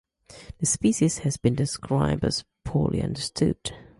The species has been described as "poorly understood".